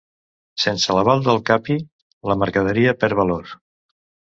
Sense l'aval del Capi, la mercaderia perd valor.